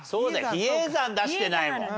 比叡山出してないもん。